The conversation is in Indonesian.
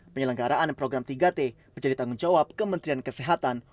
penyelenggaraan program tiga t menjadi tanggung jawab kementerian kesehatan